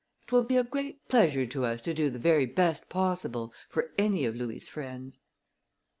"It will be a great pleasure to us to do the very best possible for any of Louis' friends."